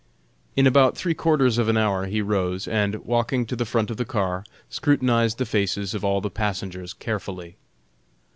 In about three quarters of an hour he rose, and, walking to the front of the car, scrutinized the faces of all the passengers carefully.